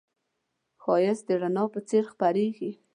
ښایست د رڼا په څېر خپرېږي